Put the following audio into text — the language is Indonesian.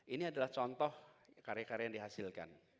ini adalah contoh karya karya yang dihasilkan